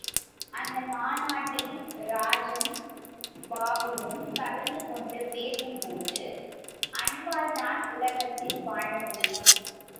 அந்த மாநாட்டில் ராஜன் பாபுவும் கலந்து கொண்டு பேசும் போது, அன்பால்தான் உலகத்தில் வாழ முடியும்.